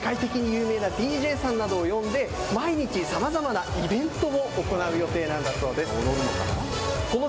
ここでは世界的に有名なＤＪさんなどを呼んで毎日、さまざまなイベントを行う予定なんだそうです。